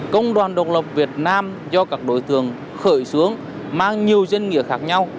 công đoàn độc lập việt nam do các đối tượng khởi xướng mang nhiều dân nghĩa khác nhau